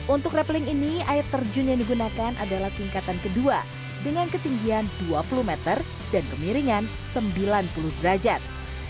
untuk rappelling ini air terjun yang digunakan adalah tingkatan kedua dengan ketinggian dua puluh meter dan kemiringan sembilan puluh derajat